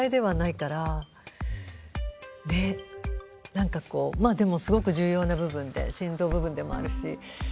何かこうでもすごく重要な部分で心臓部分でもあるし。